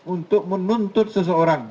untuk menuntut seseorang